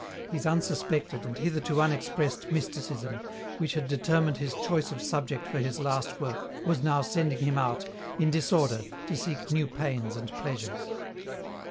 His unsuspected, and hitherto unexpressed, mysticism, which had determined his choice of subject for his last work was now sending him out, in disorder, to seek new pains and pleasures.